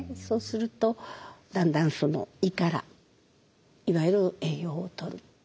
そうするとだんだん胃からいわゆる栄養をとる。